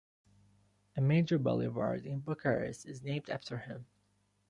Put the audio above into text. A major boulevard in Bucharest is named after him.